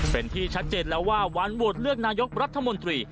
เป็นที่ชัดเจนแล้วว่าวันโหวตเลือกนายกรัฐมนตรี